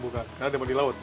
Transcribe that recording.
karena dia mau di laut